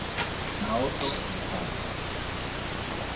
Naoto Misawa